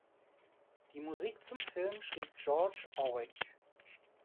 Die Musik zum Film schrieb Georges Auric.